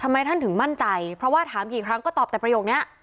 ทำไมท่านถึงมั่นใจเพราะว่าถามกี่ครั้งก็ตอบแต่ประโยคนี้